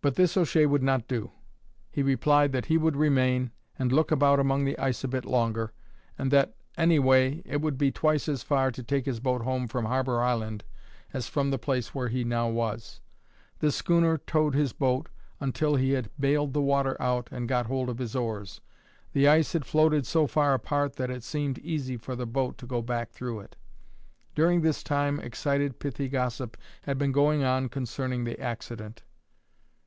But this O'Shea would not do. He replied that he would remain, and look about among the ice a bit longer, and that, any way, it would be twice as far to take his boat home from Harbour Island as from the place where he now was. The schooner towed his boat until he had baled the water out and got hold of his oars. The ice had floated so far apart that it seemed easy for the boat to go back through it. During this time excited pithy gossip had been going on concerning the accident.